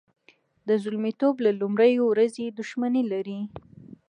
د زلمیتوب له لومړۍ ورځې دښمني لري.